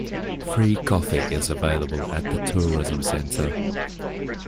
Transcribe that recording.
Free coffee is available at the tourism center.